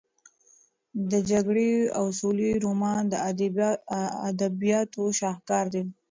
د جګړې او سولې رومان د ادبیاتو شاهکار دی.